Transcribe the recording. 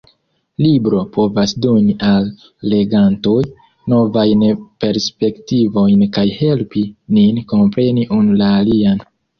Libro povas doni al legantoj novajn perspektivojn kaj helpi nin kompreni unu la alian.